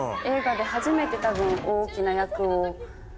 映画で初めて多分大きな役を。